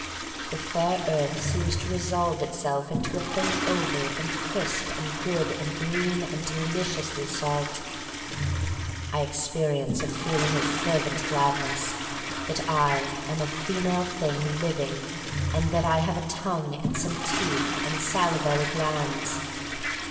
The fair earth seems to resolve itself into a thing oval and crisp and good and 84 THE STORY OF MARY MAC LANE green and deliciously salt. I experi ence a feeling of fervent gladness that I am a female thing living, and that I have a tongue and some teeth, and salivary glands.